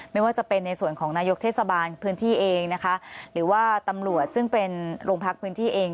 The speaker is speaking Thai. ไม่ว่าจะเป็นในส่วนของนายกเทศบาลพื้นที่เองนะคะหรือว่าตำรวจซึ่งเป็นโรงพักพื้นที่เอง